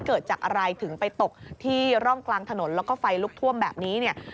เกิดจากอะไรถึงไปตกที่ร่องกลางถนนแล้วก็ไฟลุกท่วมแบบนี้เนี่ย